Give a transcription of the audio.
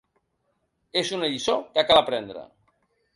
És una lliçó que cal aprendre.